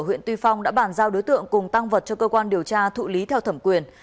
huyện tuy phong đã bàn giao đối tượng cùng tăng vật cho cơ quan điều tra thụ lý theo thẩm quyền